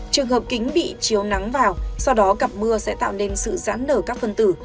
trường hợp kính bị chiếu nắng vào sau đó cặp mưa sẽ tạo nên sự giãn nở các phân tử